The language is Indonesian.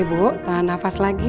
ibu tahan nafas lagi